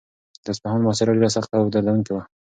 د اصفهان محاصره ډېره سخته او دردونکې وه.